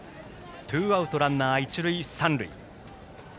ツーアウトランナー、一塁三塁。